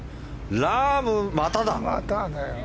ラーム、まただ。